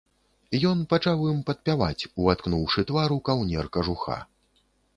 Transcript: Ён пачаў ім падпяваць, уваткнуўшы твар у каўнер кажуха.